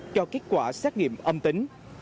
cho kết quả xét nghiệm âm tính